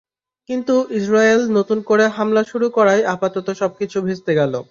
কিন্তু ইসরায়েল নতুন করে হামলা শুরু করায় আপাতত সবকিছু ভেস্তে গেল।